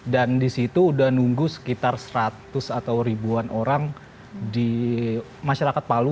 dan di situ udah nunggu sekitar seratus atau ribuan orang di masyarakat palu